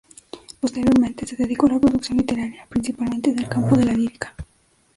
Posteriormente se dedicó a la producción literaria, principalmente en el campo de la lírica.